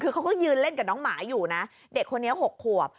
คือเขาก็ยืนเล่นกับน้องหมาอยู่นะเด็กคนนี้๖ขวบ